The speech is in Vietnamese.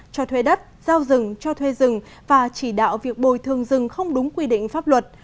cho thuê đất giao rừng cho thuê rừng và chỉ đạo việc bồi thường rừng không đúng quy định pháp luật